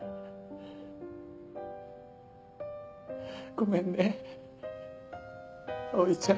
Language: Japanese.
ごめんね葵ちゃん。